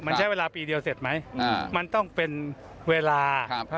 มันใช้เวลาปีเดียวเสร็จไหมมันต้องเป็นเวลา